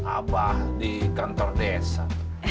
abah di kantor desa